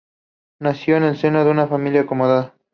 Nació en el seno de una familia acomodada.